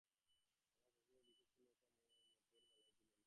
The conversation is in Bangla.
আমার শ্বশুরের বিশেষ কোনো একটা মতের বালাই ছিল না।